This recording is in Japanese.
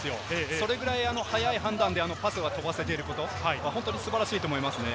それぐらい早い判断でパスは飛ばせていること、本当に素晴らしいと思いますね。